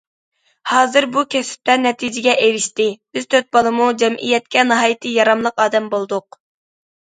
ھازىر بۇ كەسىپتە نەتىجىگە ئېرىشتى، بىز تۆت بالىمۇ جەمئىيەتكە ناھايىتى ياراملىق ئادەم بولدۇق.